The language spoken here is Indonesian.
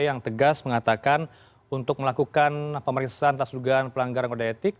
yang tegas mengatakan untuk melakukan pemeriksaan atas dugaan pelanggaran kode etik